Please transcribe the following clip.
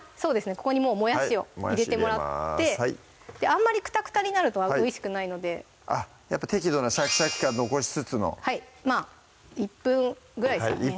ここにもうもやしを入れてもらってあんまりくたくたになるとおいしくないので適度なシャキシャキ感残しつつのはい１分ぐらいですかね